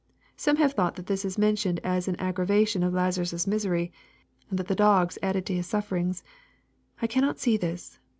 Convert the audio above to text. ] Some have thought that this is mentioned as an aggravation of Lazarus' misery, and that the dogs added to his sufferings. I cannot see shis.